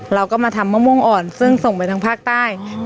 เราก็มาทำมะม่วงอ่อนซึ่งส่งไปทางภาคใต้